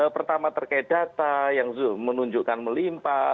pertama terkait data yang menunjukkan melimpa